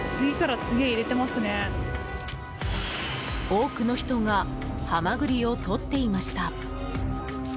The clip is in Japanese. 多くの人がハマグリをとっていました。